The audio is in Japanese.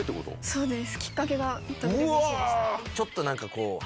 そうです